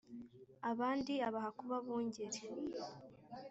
Abandi abaha kuba abungeri